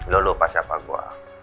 lo lupa siapa gua